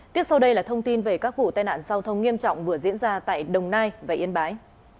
tiếp sau đây là thông tin về các vụ tai nạn giao thông nghiêm trọng vừa diễn ra tại đồng nai và yên bái